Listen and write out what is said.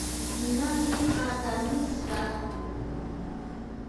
نه ډېر د ناکامي احساس وکړو.